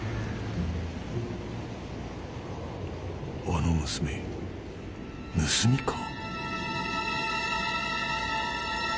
・あの娘盗みか？